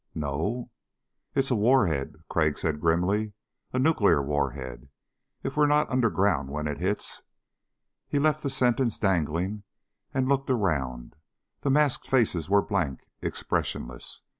"No?" "It's a warhead," Crag said grimly, "a nuclear warhead. If we're not underground when it hits...." He left the sentence dangling and looked around. The masked faces were blank, expressionless.